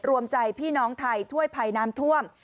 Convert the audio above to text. รวมใจพี่น้องไทยช่วยภัยน้ำท่วม